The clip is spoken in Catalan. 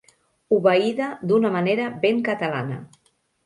Obeïda d'una manera ben catalana.